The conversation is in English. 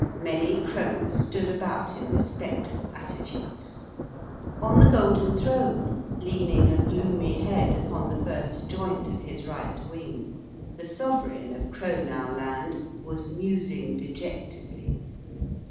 Many crows stood about in respectful attitudes. On the golden throne, leaning a gloomy head upon the first joint of his right wing, the Sovereign of Crownowland was musing dejectedly.